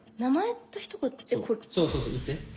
そうそうそう言って。